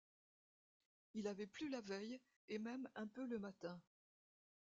Il avait plu la veille, et même un peu le matin.